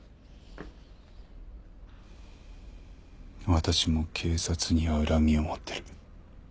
私も警察には恨みを持ってる。